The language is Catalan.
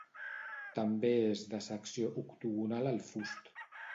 També és de secció octogonal el fust.